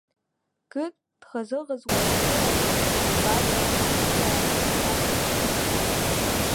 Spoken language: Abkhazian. Гыд дӷызы-ӷызуа аԥсра иаҿыз Бата дааихаххит.